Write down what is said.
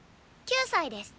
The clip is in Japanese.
９歳です。